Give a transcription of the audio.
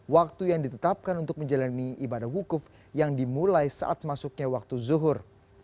waktu yang ditetapkan untuk menjalani ibadah wukuf yang dimulai saat masuknya waktu zuhur